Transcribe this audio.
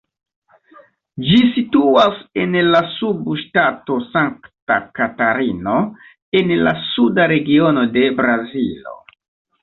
Ĝi situas en la subŝtato Sankta Katarino, en la suda regiono de Brazilo.